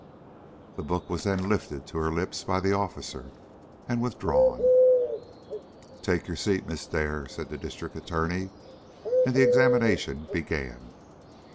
The book was then lifted to her lips by the officer, and withdrawn. "Take your seat, Miss Dare," said the District Attorney. And the examination began.